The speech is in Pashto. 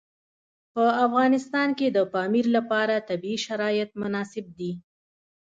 په افغانستان کې د پامیر لپاره طبیعي شرایط مناسب دي.